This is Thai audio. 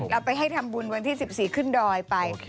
เราไปให้ทำบุญวันที่๑๔ขึ้นดอยไป